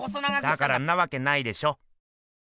だからんなわけないでしょ。